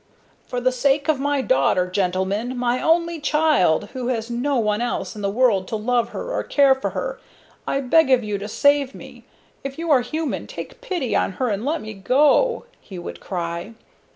"For the sake of my daughter, gentlemen my only child who has no one else in the world to love her or care for her, I beg of you to save me. If you are human, take pity on her and let me go!" he would cry.